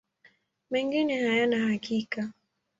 Mengine hayana hakika.